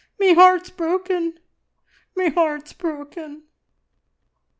Me heart's broken! Me heart's broken!"